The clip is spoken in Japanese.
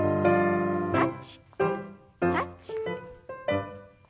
タッチタッチ。